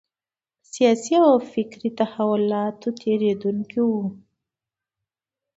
د سیاسي او فکري تحولاتو تېرېدونکی و.